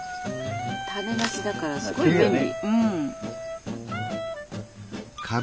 種なしだからすごい便利！